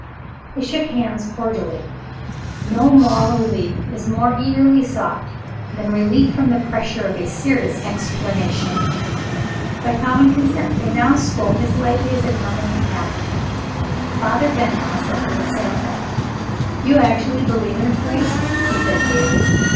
They shook hands cordially. No moral relief is more eagerly sought than relief from the pressure of a serious explanation. By common consent, they now spoke as lightly as if nothing had happened. Father Benwell set the example. "You actually believe in a priest!" he said gayly.